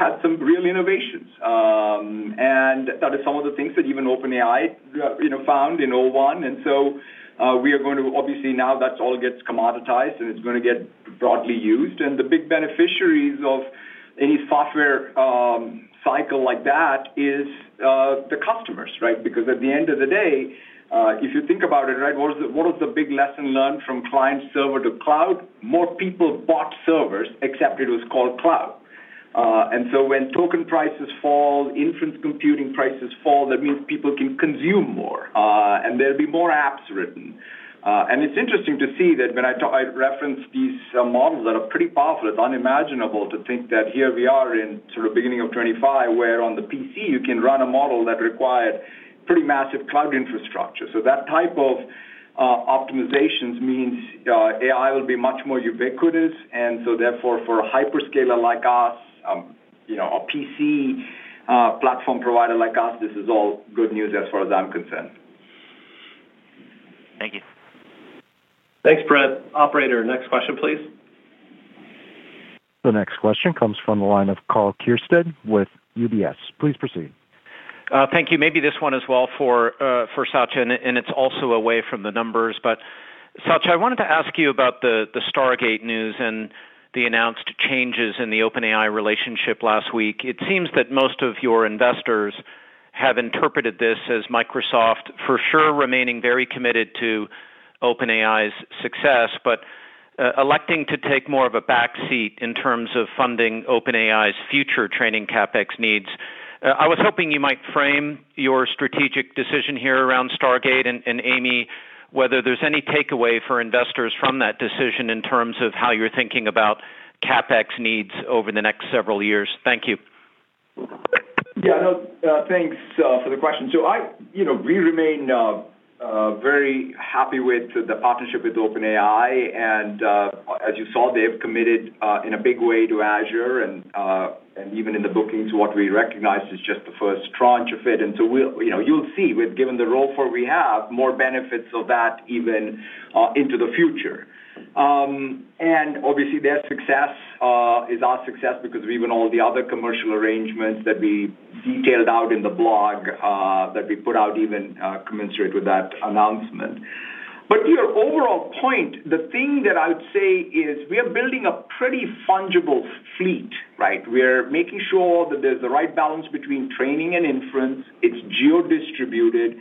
had some real innovations. And that is some of the things that even OpenAI found in o1. And so we are going to obviously now that's all gets commoditized and it's going to get broadly used and the big beneficiaries of any software cycle like that is the customers, right? Because at the end of the day. If you think about it, right, what was the big lesson learned from client-server to Cloud, More people bought servers, except it was called Cloud. And so when token prices fall, inference computing prices fall, that means people can consume more, and there'll be more apps written. And it's interesting to see that when I reference these models that are pretty powerful, it's unimaginable to think that here we are in sort of beginning of 2025, where on the PC you can run a model that required pretty massive Cloud infrastructure. So that type of optimizations means AI will be much more ubiquitous. And so therefore, for a hyperscaler like us, a PC platform provider like us, this is all good news as far as I'm concerned. Thank you. Thanks, Brett. Operator, next question, please. The next question comes from the line of Karl Keirstead with UBS. Please proceed. Thank you maybe this one as well for Satya, and it's also away from the numbers. But Satya, I wanted to ask you about the Stargate news and the announced changes in the OpenAI relationship last week. It seems that most of your investors have interpreted this as Microsoft for sure remaining very committed to OpenAI's success, but electing to take more of a backseat in terms of funding OpenAI's future training CapEx needs. I was hoping you might frame your strategic decision here around Stargate and Amy, whether there's any takeaway for investors from that decision in terms of how you're thinking about CapEx needs over the next several years. Thank you. Yeah. No, thanks for the question so we remain very happy with the partnership with OpenAI. And as you saw, they've committed in a big way to Azure, and even in the bookings, what we recognized is just the first tranche of it and so you'll see, given the role that we have, more benefits of that even into the future. And obviously, their success is our success because of even all the other commercial arrangements that we detailed out in the blog that we put out even commensurate with that announcement. But your overall point, the thing that I would say is we are building a pretty fungible fleet, right? We're making sure that there's the right balance between training and inference it's geo-distributed.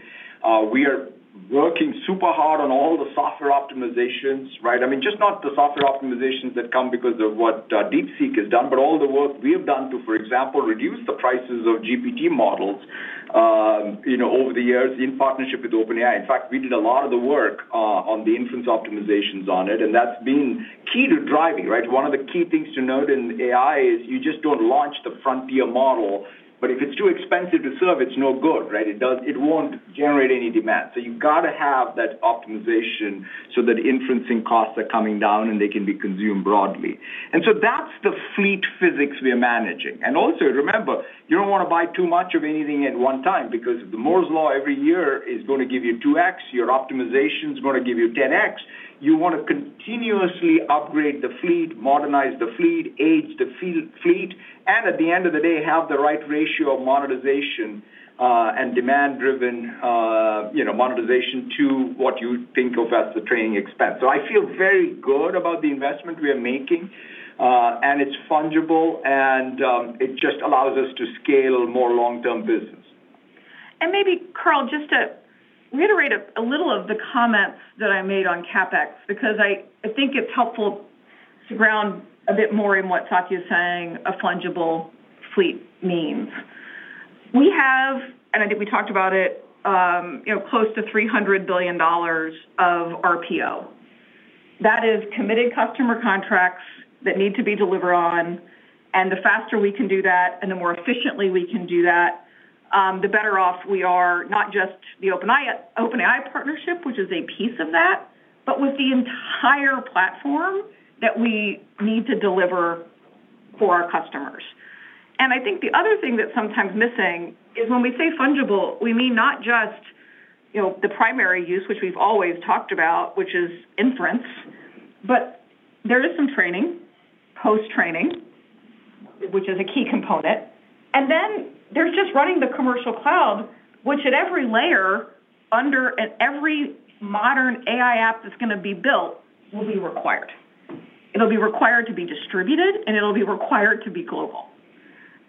We are working super hard on all the software optimizations, right? I mean, not just the software optimizations that come because of what DeepSeek has done, but all the work we have done to, for example, reduce the prices of GPT models. Over the years in partnership with OpenAI in fact, we did a lot of the work on the inference optimizations on it, and that's been key to driving, right? One of the key things to note in AI is you just don't launch the frontier model, but if it's too expensive to serve, it's no good, right? It won't generate any demand so you've got to have that optimization so that inferencing costs are coming down and they can be consumed broadly. And so that's the fleet physics we're managing and also, remember, you don't want to buy too much of anything at one time because the Moore's Law every year is going to give you 2x your optimization is going to give you 10x. You want to continuously upgrade the fleet, modernize the fleet, age the fleet, and at the end of the day, have the right ratio of monetization and demand-driven monetization to what you think of as the training expense so I feel very good about the investment we are making, and it's fungible, and it just allows us to scale more long-term business. Maybe, Karl, just to reiterate a little of the comments that I made on CapEx because I think it's helpful to ground a bit more in what Satya is saying a fungible fleet means. We have, and I think we talked about it, close to $300 billion of RPO. That is committed customer contracts that need to be delivered on. And the faster we can do that, and the more efficiently we can do that, the better off we are, not just the OpenAI partnership, which is a piece of that, but with the entire platform that we need to deliver for our customers. And I think the other thing that's sometimes missing is when we say fungible, we mean not just the primary use, which we've always talked about, which is inference, but there is some training, post-training, which is a key component. And then there's just running the commercial Cloud, which at every layer under every modern AI app that's going to be built will be required. It'll be required to be distributed, and it'll be required to be global.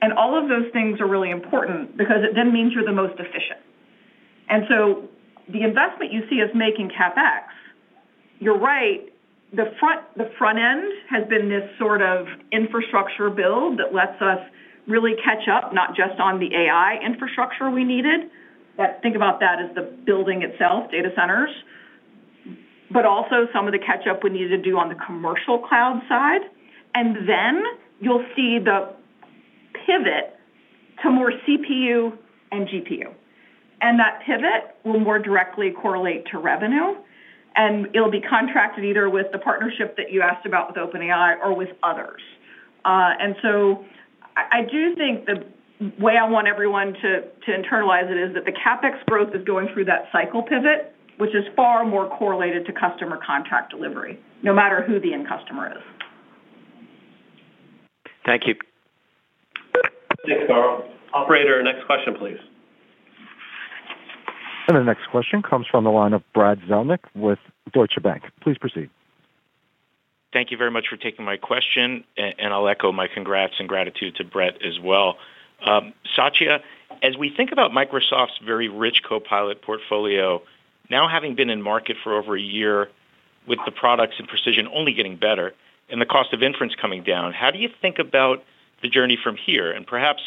And all of those things are really important because it then means you're the most efficient. And so the investment you see is making CapEx. You're right. The front end has been this sort of infrastructure build that lets us really catch up, not just on the AI infrastructure we needed. Think about that as the building itself, data centers, but also some of the catch-up we need to do on the commercial Cloud side. And then you'll see the pivot to more CPU and GPU. And that pivot will more directly correlate to revenue, and it'll be contracted either with the partnership that you asked about with OpenAI or with others. And so I do think the way I want everyone to internalize it is that the CapEx growth is going through that cycle pivot, which is far more correlated to customer contract delivery, no matter who the end customer is. Thank you. Thanks, Karl. Operator, next question, please. And the next question comes from the line of Brad Zellnick with Deutsche Bank. Please proceed. Thank you very much for taking my question, and I'll echo my congrats and gratitude to Brett as well. Satya, as we think about Microsoft's very rich Copilot portfolio, now having been in market for over a year with the products and precision only getting better and the cost of inference coming down, how do you think about the journey from here and perhaps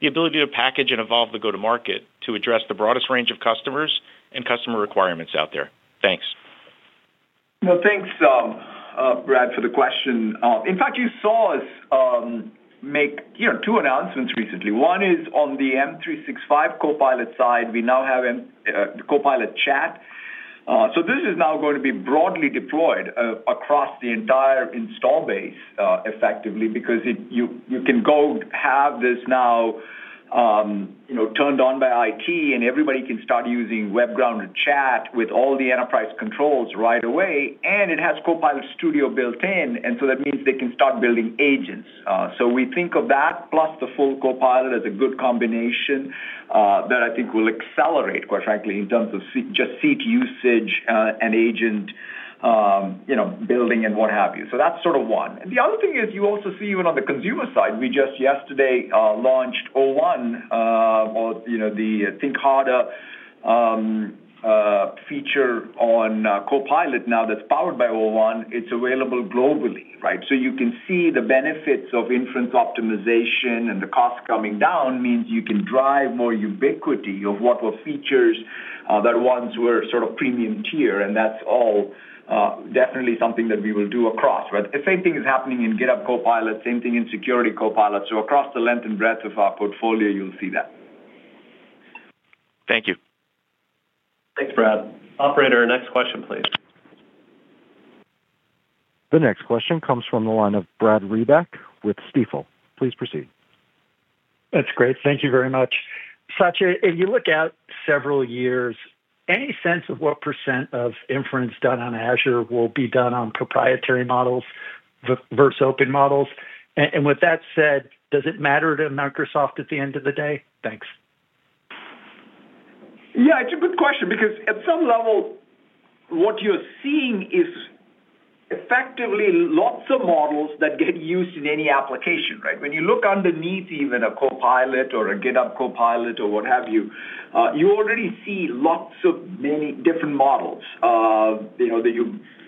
the ability to package and evolve the go-to-market to address the broadest range of customers and customer requirements out there? Thanks. No, thanks, Brad, for the question. In fact, you saw us make two announcements recently one is on the M365 Copilot side we now have Copilot Chat. So this is now going to be broadly deployed across the entire install base, effectively, because you can go have this now turned on by IT, and everybody can start using web-grounded chat with all the enterprise controls right away. And it has Copilot Studio built in, and so that means they can start building agents. So we think of that, plus the full Copilot as a good combination that I think will accelerate, quite frankly, in terms of just seat usage and agent building and what have you so that's sort of one and the other thing is you also see even on the consumer side, we just yesterday launched o1. The Think Harder feature on Copilot now that's powered by o1. It's available globally, right? So you can see the benefits of inference optimization and the cost coming down means you can drive more ubiquity of what were features that once were sort of premium tier and that's all definitely something that we will do across, right? The same thing is happening in GitHub Copilot, same thing in Security Copilot. So across the length and breadth of our portfolio, you'll see that. Thank you. Thanks, Brad. Operator, next question, please. The next question comes from the line of Brad Reback with Stifel. Please proceed. That's great. Thank you very much. Satya, if you look at several years, any sense of what % of inference done on Azure will be done on proprietary models versus open models? And with that said, does it matter to Microsoft at the end of the day? Thanks. Yeah, it's a good question because at some level, what you're seeing is effectively lots of models that get used in any application, right? When you look underneath even a Copilot or a GitHub Copilot or what have you, you already see lots of many different models.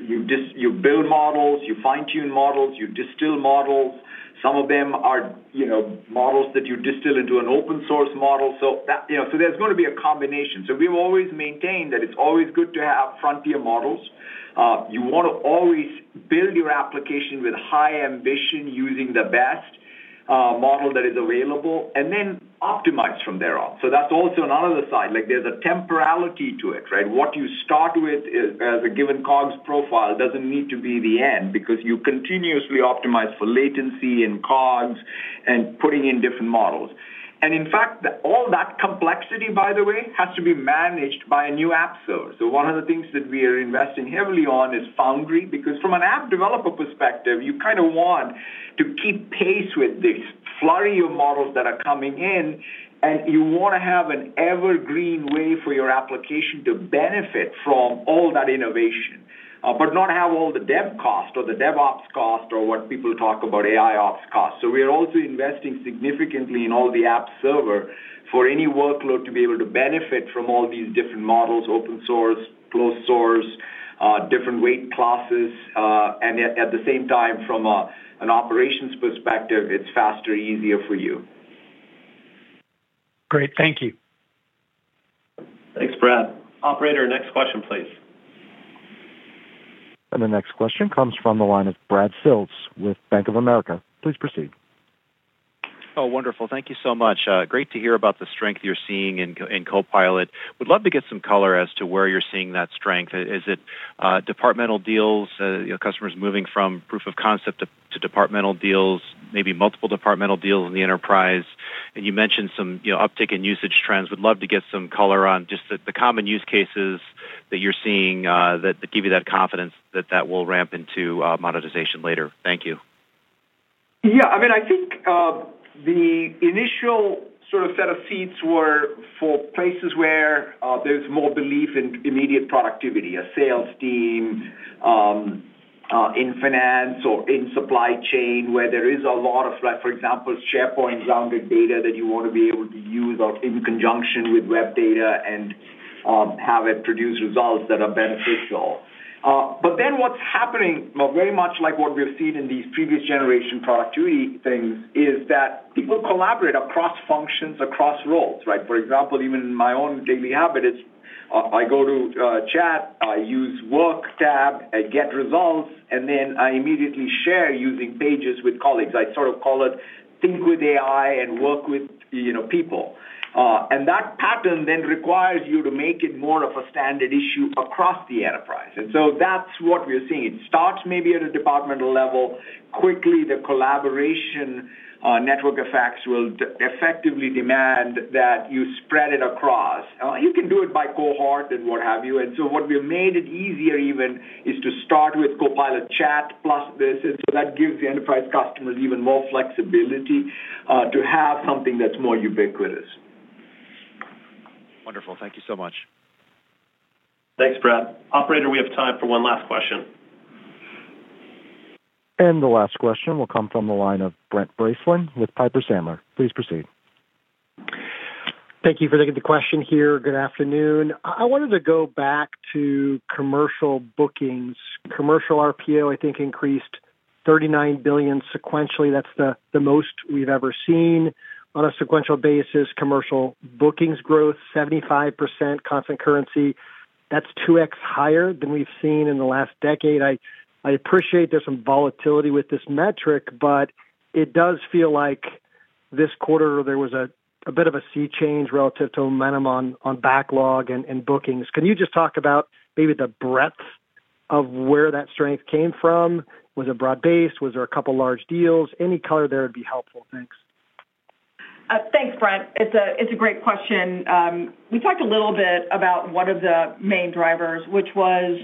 You build models, you fine-tune models, you distill models. Some of them are models that you distill into an open-source model so there's going to be a combination so we've always maintained that it's always good to have frontier models. You want to always build your application with high ambition using the best model that is available and then optimize from there on so that's also another side there's a temporality to it, right? What you start with as a given COGS profile doesn't need to be the end because you continuously optimize for latency and COGS and putting in different models. In fact, all that complexity, by the way, has to be managed by a new app server so one of the things that we are investing heavily on is Foundry because from an app developer perspective, you kind of want to keep pace with these flurry of models that are coming in, and you want to have an evergreen way for your application to benefit from all that innovation. But not have all the dev cost or the dev ops cost or what people talk about AI ops cost so we are also investing significantly in all the app server for any workload to be able to benefit from all these different models, open-source, closed-source, different weight classes. And at the same time, from an operations perspective, it's faster, easier for you Great. Thank you. Thanks, Brad. Operator, next question, please. And the next question comes from the line of Brad Sills with Bank of America. Please proceed. Oh, wonderful thank you so much. Great to hear about the strength you're seeing in Copilot. Would love to get some color as to where you're seeing that strength. Is it departmental deals, customers moving from proof of concept to departmental deals, maybe multiple departmental deals in the enterprise? And you mentioned some uptick in usage trends would love to get some color on just the common use cases that you're seeing that give you that confidence that that will ramp into monetization later thank you. Yeah i mean, I think the initial sort of set of seats were for places where there's more belief in immediate productivity, a sales team, in finance or in supply chain where there is a lot of, for example, SharePoint-grounded data that you want to be able to use in conjunction with web data and have it produce results that are beneficial. But then what's happening, very much like what we've seen in these previous generation productivity things, is that people collaborate across functions, across roles, right? For example, even in my own daily habit, I go to chat, I use Work tab, I get results, and then I immediately share using Pages with colleagues i sort of call it think with AI and work with people. And that pattern then requires you to make it more of a standard issue across the enterprise and so that's what we're seeing it starts maybe at a departmental level. Quickly, the collaboration network effects will effectively demand that you spread it across. You can do it by cohort and what have you, And so what we've made it easier even is to start with Copilot Chat plus this and so that gives the enterprise customers even more flexibility to have something that's more ubiquitous. Wonderful. Thank you so much. Thanks, Brad. Operator, we have time for one last question. And the last question will come from the line of Brent Bracelin with Piper Sandler. Please proceed. Thank you for the good question here. Good afternoon. I wanted to go back to commercial bookings. Commercial RPO, I think, increased $39 billion sequentially that's the most we've ever seen on a sequential basis commercial bookings growth, 75% constant currency. That's 2x higher than we've seen in the last decade i appreciate there's some volatility with this metric, but it does feel like this quarter there was a bit of a sea change relative to momentum on backlog and bookings can you just talk about maybe the breadth? of where that strength came from? Was it broad-based? Was there a couple of large deals? Any color there would be helpful thanks. Thanks, Brent. It's a great question. We talked a little bit about one of the main drivers, which was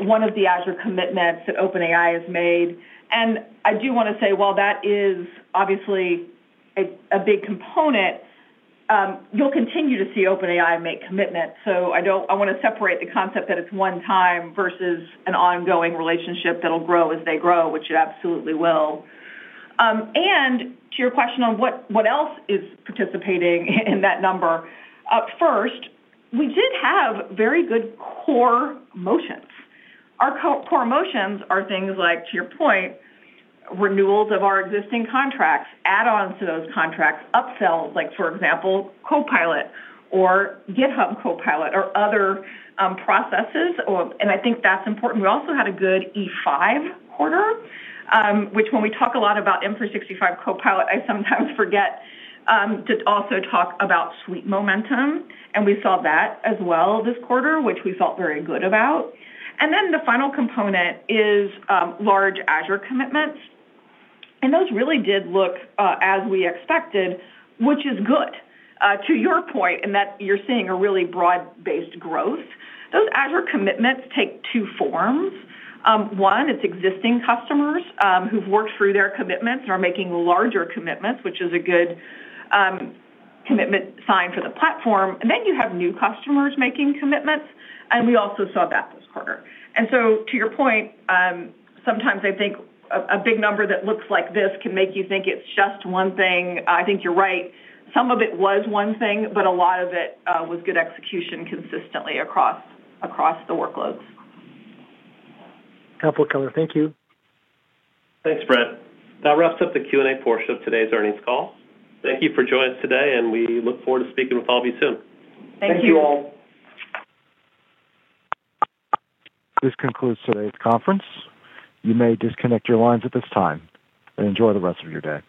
one of the Azure commitments that OpenAI has made. And I do want to say, while that is obviously a big component, you'll continue to see OpenAI make commitments so I want to separate the concept that it's one time versus an ongoing relationship that'll grow as they grow, which it absolutely will. And to your question on what else is participating in that number, first, we did have very good core motions. Our core motions are things like, to your point, renewals of our existing contracts, add-ons to those contracts, upsells, like for example, Copilot or GitHub Copilot or other processes and I think that's important we also had a good E5 quarter. Which when we talk a lot about M365 Copilot, I sometimes forget to also talk about suite momentum. And we saw that as well this quarter, which we felt very good about. And then the final component is large Azure commitments. And those really did look as we expected, which is good. To your point, in that you're seeing a really broad-based growth, those Azure commitments take two forms. One, it's existing customers who've worked through their commitments and are making larger commitments, which is a good commitment sign for the platform and then you have new customers making commitments. And we also saw that this quarter. And so to your point, sometimes I think a big number that looks like this can make you think it's just one thing i think you're right. Some of it was one thing, but a lot of it was good execution consistently across the workloads. Couple of color thank you. Thanks, Brent. That wraps up the Q&A portion of today's earnings call. Thank you for joining us today, and we look forward to speaking with all of you soon. Thank you. Thank you all. This concludes today's conference. You may disconnect your lines at this time and enjoy the rest of your day.